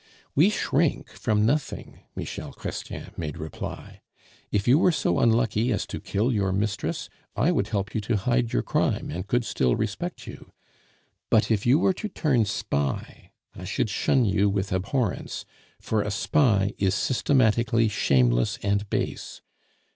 "We shrink from nothing," Michel Chrestien made reply. "If you were so unlucky as to kill your mistress, I would help you to hide your crime, and could still respect you; but if you were to turn spy, I should shun you with abhorrence, for a spy is systematically shameless and base.